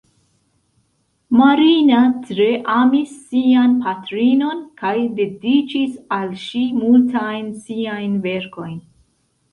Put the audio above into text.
Marina tre amis sian patrinon kaj dediĉis al ŝi multajn siajn verkojn.